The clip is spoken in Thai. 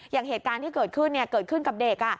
อย่างเหตุการณ์ที่เกิดขึ้นเกิดขึ้นกับเด็ก